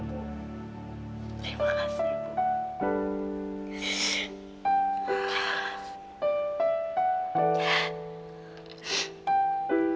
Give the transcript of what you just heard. terima kasih bu